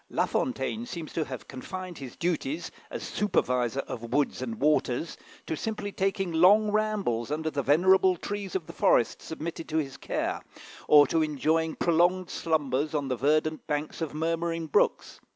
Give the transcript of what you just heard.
La Fontaine seems to have confined his duties, as supervisor of woods and waters, to simply taking long rambles under the venerable trees of the forests submitted to his care, or to enjoying prolonged slumbers on the verdant banks of murmuring brooks.